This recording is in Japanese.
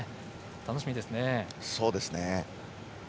楽しみです。